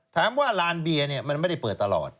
ลานเบียร์มันไม่ได้เปิดตลอด